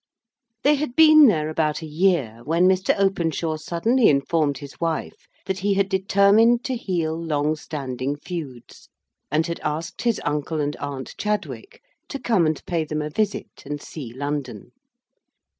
They had been there about a year, when Mr. Openshaw suddenly informed his wife that he had determined to heal long standing feuds, and had asked his uncle and aunt Chadwick to come and pay them a visit and see London.